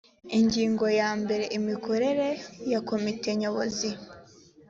ingingo ya mbere imikorere ya komite nyobozi